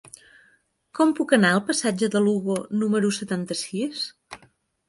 Com puc anar al passatge de Lugo número setanta-sis?